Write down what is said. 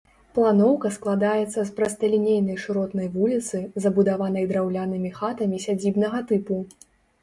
Планоўка складаецца з прасталінейнай шыротнай вуліцы, забудаванай драўлянымі хатамі сядзібнага тыпу.